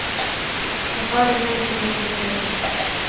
وَقَالَ مَالِكُ بْنُ دِينَارٍ